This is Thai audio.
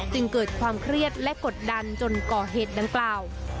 จึงเกิดความเครียดและกดดันจนก่อเหตุดังกล่าว